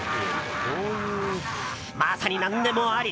まさに何でもあり。